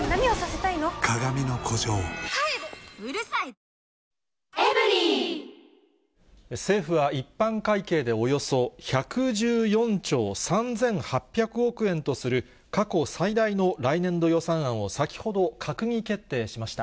ピンポーン政府は一般会計でおよそ１１４兆３８００億円とする過去最大の来年度予算案を先ほど、閣議決定しました。